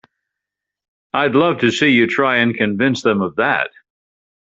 I'd love to see you try and convince them of that!